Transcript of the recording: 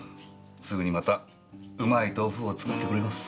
すぐにまたうまい豆腐を作ってくれます。